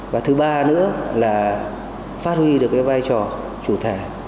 và thứ ba nữa là phát huy được cái vai trò chủ thể